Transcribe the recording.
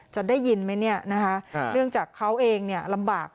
จะได้ยินไหมเรื่องจากเขาเองลำบาก